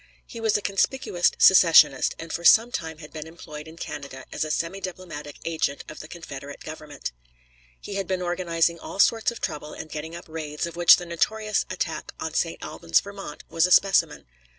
He was a conspicuous secessionist, and for some time had been employed in Canada as a semi diplomatic agent of the Confederate Government. He had been organizing all sorts of trouble and getting up raids, of which the notorious attack on St. Albans, Vt., was a specimen.